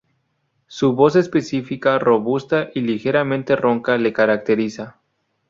Su voz específica, robusta y ligeramente ronca, le caracteriza.